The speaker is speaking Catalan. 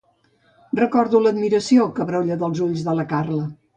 Recordo l'admiració que brolla dels ulls de la Carla.